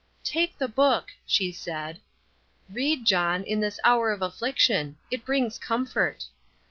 "Take the book," she said. "Read, John, in this hour of affliction; it brings comfort."